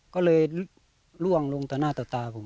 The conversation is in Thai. ก็เลยล่วงลงต่อหน้าต่อตาผม